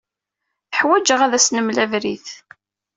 Teḥwaj-aɣ ad as-nmel abrid.